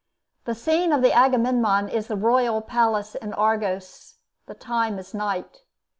The scene of the 'Agamemnon' is the royal palace in Argos. The time is night.